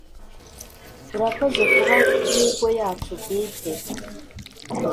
urakoze kuba google yacu bwite.